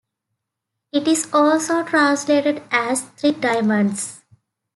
It is also translated as "three diamonds".